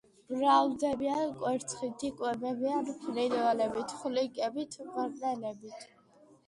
მრავლდებიან კვერცხით, იკვებებიან ფრინველებით, ხვლიკებით, მღრღნელებით.